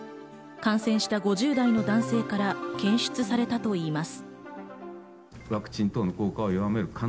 感染した５０代の男性から検出されたということです。